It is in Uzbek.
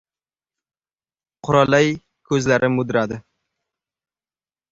Quralay ko‘zlari mudradi.